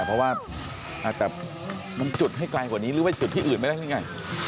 เพราะว่าแต่มันจุดให้ไกลกว่านี้หรือว่าจุดที่อื่นไม่ได้หรือไง